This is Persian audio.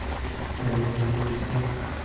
مختلف المرکز